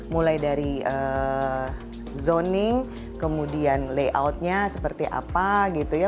mulai dari zoning kemudian layoutnya seperti apa gitu ya